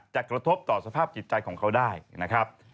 กระทบต่อสภาพจิตใจของเขาได้นะครับ